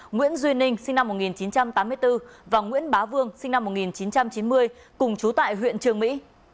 nguyễn duy ninh sinh năm một nghìn chín trăm tám mươi bốn và nguyễn bá vương sinh năm một nghìn chín trăm chín mươi cùng chú tại huyện trường mỹ